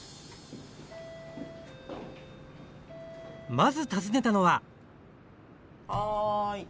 まず訪ねたのははい！